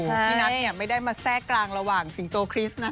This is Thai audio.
พี่นัทไม่ได้มาแทรกกลางระหว่างสิงโตคริสต์